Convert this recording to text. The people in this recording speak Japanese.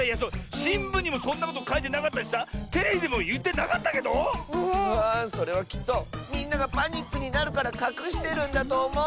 しんぶんにもそんなことかいてなかったしさテレビでもいってなかったけど⁉それはきっとみんながパニックになるからかくしてるんだとおもう。